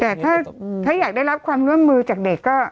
แต่ถ้าอยากได้รับความร่วมมือจากเด็กก็